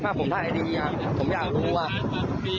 แล้วผมพึ่งรู้ไง